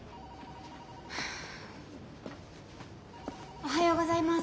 おはようございます。